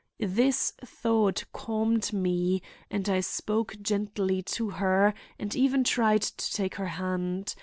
This thought calmed me and I spoke gently to her and even tried to take her hand.